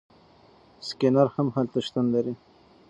سکینر هم هلته شتون لري.